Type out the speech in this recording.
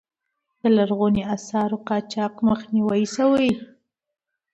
د لرغونو آثارو قاچاق مخنیوی شوی؟